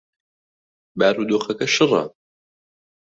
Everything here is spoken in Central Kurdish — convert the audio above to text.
بارودۆخەکە شڕە.